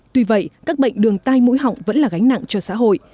tuy vậy các bệnh đường tai mũi họng vẫn là gánh nặng cho xã hội